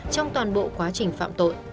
trong toàn bộ quá trình phạm tội